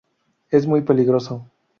Es muy peligroso".